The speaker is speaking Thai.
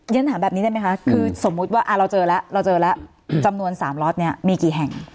ฉันถามแบบนี้ได้ไหมคะคือสมมุติว่าเราเจอแล้วเราเจอแล้วจำนวน๓ล็อตเนี่ยมีกี่แห่ง